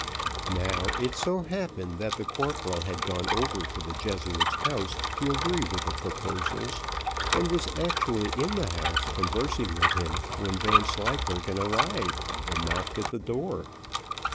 Now, it so happened, that the corporal had gone over to the Jesuit's house to agree to the proposals, and was actually in the house conversing with him, when Vanslyperken arrived and knocked at the door.